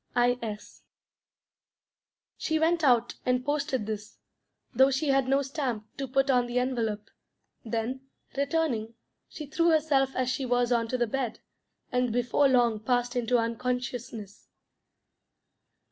I. S." She went out and posted this, though she had no stamp to put on the envelope; then, returning, she threw herself as she was on to the bed, and before long passed into unconsciousness.